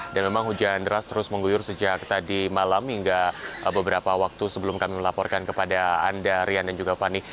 dan memang hujan deras terus mengguyur sejak tadi malam hingga beberapa waktu sebelum kami melaporkan kepada anda rian dan juga fani